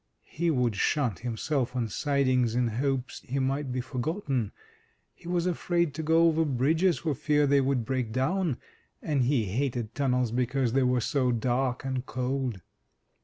He would shunt himself on sidings in hopes he might be forgotten; he was afraid to go over bridges, for fear they would break down; and he hated tunnels because they were so dark and cold.